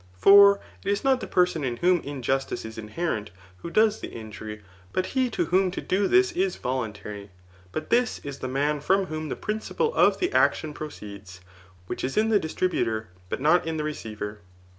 For it is not the person in whom injustice is inherent who does the injury, but he to whom to do this is voluntary. ; but this is the man from whom the principle of the action proceeds, which is in the distributor, but not in the receiver.